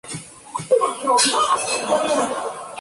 Fue enterrado en la iglesia de San Pedro en Lovaina.